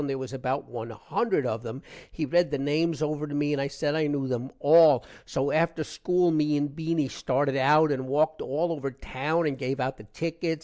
there was about 1 hundred of them. he read the names over to me and i said i knew them all. so after school me and Beany started out and walked all over town and give out the tickets.